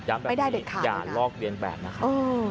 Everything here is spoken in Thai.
ยังแบบนี้อย่าลอกเรียนแบบนะคะ